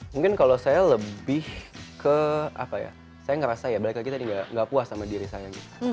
mungkin kalau saya lebih ke apa ya saya ngerasa ya balik lagi tadi nggak puas sama diri saya